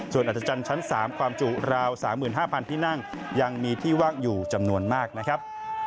ส่วนอัธจันทร์ชั้น๓ความจุราว๓๕๐๐ที่นั่งยังมีที่ว่างอยู่จำนวนมากนะครับ